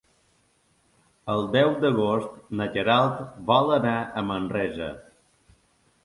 El deu d'agost na Queralt vol anar a Manresa.